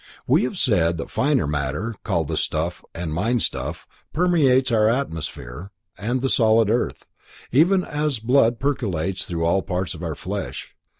We have said that finer matter, called desire stuff and mind stuff, permeates our atmosphere and the solid earth, even as blood percolates through all parts of our flesh.